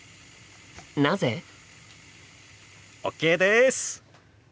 なぜ？ＯＫです！